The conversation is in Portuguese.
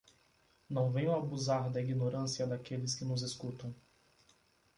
Não venham abusar da ignorância daqueles que nos escutam.